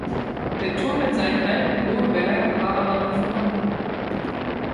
Der Turm mit seinem alten Uhrwerk war aber noch vorhanden.